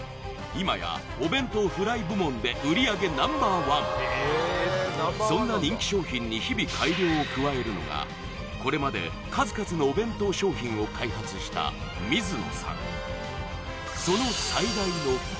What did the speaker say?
今やお弁当フライ部門で売上Ｎｏ．１そんな人気商品に日々改良を加えるのがこれまで数々のお弁当商品を開発した水野さん